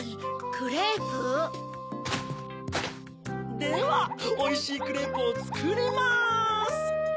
クレープ？ではおいしいクレープをつくります。